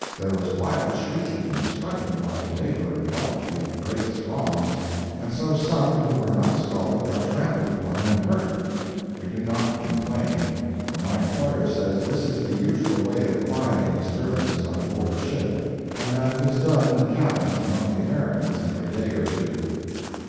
There was wild shrieking and struggling while the vapor enveloped the great throngs and so some who were not scalded got trampled upon and hurt. We do not complain, for my employer says this is the usual way of quieting disturbances on board the ship, and that it is done in the cabins among the Americans every day or two.